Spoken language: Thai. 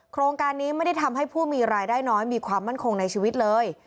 โครงการนี้ไม่ได้ทำให้ผู้มีรายได้น้อยมีความมั่นคงในชีวิตเลย